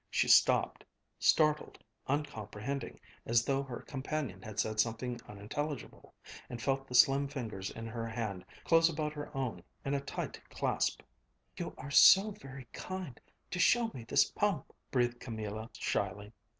She stopped, startled, uncomprehending, as though her companion had said something unintelligible, and felt the slim fingers in her hand close about her own in a tight clasp. "You are so very kind to show me this pump," breathed Camilla shyly.